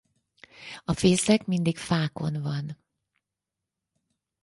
A fészek mindig fákon van.